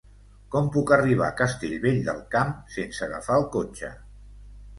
Com puc arribar a Castellvell del Camp sense agafar el cotxe?